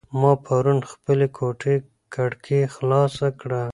ما پرون د خپلې کوټې کړکۍ خلاصه کړه.